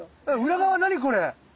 裏側何これ！